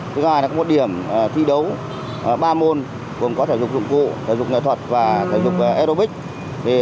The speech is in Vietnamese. thứ hai là một điểm thi đấu ba môn cùng có thể dục dụng cụ thể dục nghệ thuật và thể dục aerobics